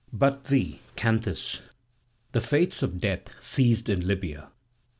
But thee, Canthus, the fates of death seized in Libya.